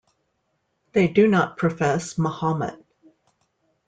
They do not profess Mahomet.